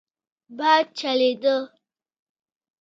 باد چلېده.